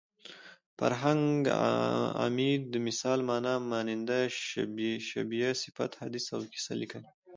فرهنګ عمید د مثل مانا مانند شبیه صفت حدیث او قصه لیکلې